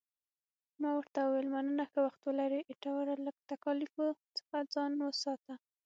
ما ورته وویل، مننه، ښه وخت ولرې، ایټوره، له تکالیفو څخه ځان ساته.